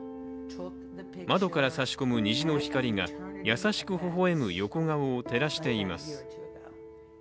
窓から差し込む虹の光が優しくほほ笑む横顔を照らしています。